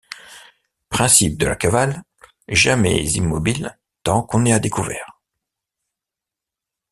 Principe de la cavale : jamais immobile tant qu’on est à découvert !